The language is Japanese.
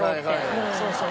そうそう。